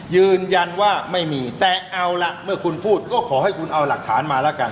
ยืนยันว่าไม่มีแต่เอาล่ะเมื่อคุณพูดก็ขอให้คุณเอาหลักฐานมาแล้วกัน